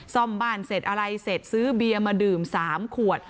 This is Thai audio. ซ่อมบ้านเสร็จอะไรเสร็จซื้อเบียร์มาดื่ม๓ขวด